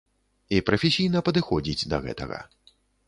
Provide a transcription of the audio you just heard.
І прафесійна падыходзіць да гэтага.